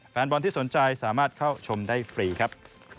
แฟนบอลที่สนใจสามารถเข้าชมได้ฟรีครับ